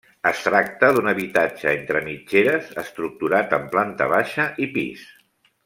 Es tracta d'un habitatge entre mitgeres estructurat en planta baixa i pis.